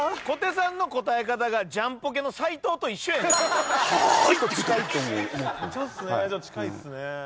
小手さんの答え方がジャンポケの斉藤と一緒やねん。